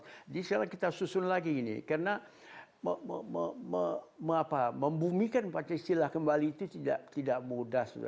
jadi sekarang kita susun lagi ini karena membumikan pancasila kembali itu tidak mudah